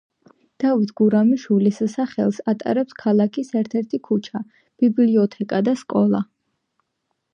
დავით გურამიშვილის სახელს ატარებს ქალაქის ერთ-ერთი ქუჩა, ბიბლიოთეკა და სკოლა.